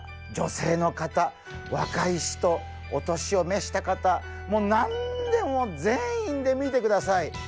女性の方若い人お年をめした方もう何でも全員で見てください。